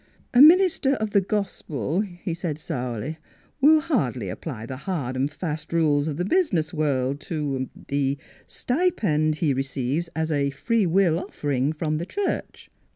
" A minister of the Gospel," he said sourly, " will hardly apply the hard and fast rules of the business world to — er — the stipend he receives as a free will of fering from the church."